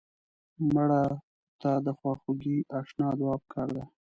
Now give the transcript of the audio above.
مړه ته د خواخوږۍ اشنا دعا پکار ده